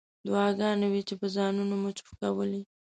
دعاګانې وې چې په ځانونو مو چوف کولې.